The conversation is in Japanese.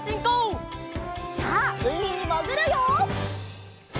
さあうみにもぐるよ！